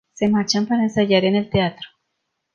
Se marchan para ensayar en el teatro.